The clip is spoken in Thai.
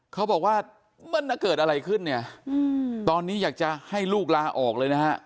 เขาบอกว่ามันเกิดอะไรขึ้นเนี่ยตอนนี้อยากจะให้ลูกลาออกเลยนะฮะ